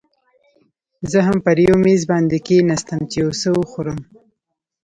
زه هم پر یو میز باندې کښېناستم، چې یو څه وخورم.